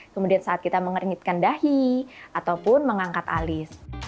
kemudian saat kita mengeringitkan dahi ataupun mengangkat alis